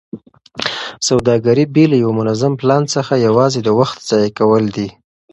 سوداګري بې له یوه منظم پلان څخه یوازې د وخت ضایع کول دي.